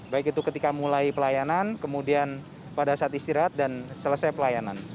baik itu ketika mulai pelayanan kemudian pada saat istirahat dan selesai pelayanan